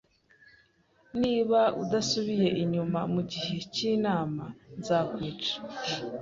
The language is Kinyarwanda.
Niba udasubiye inyuma mugihe cyinama, nzakwica